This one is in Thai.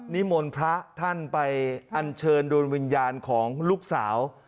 นิมนต์พระท่านไปอันเชิญดวงวิญญาณของลูกสาว